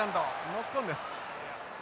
ノックオンです。